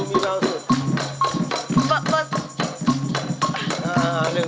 อุ๊ยแต่สาวก็ทำรู้นะ